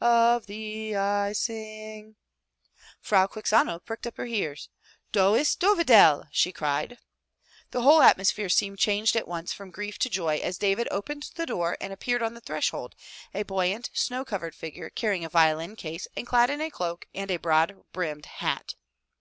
Of thee I sing'' Frau Quixano pricked up her ears. " Do ist Dovidel !'' she cried. The whole atmosphere seemed changed at once from grief to joy as David opened the door and appeared on the threshold, a buoyant, snow covered figure carrying a violin case and clad in a cloak and a broad brimmed hat.